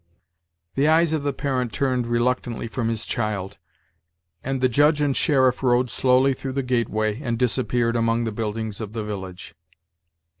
The eyes of the parent turned reluctantly from his child, and the Judge and sheriff rode slowly through the gateway, and disappeared among the buildings of the village.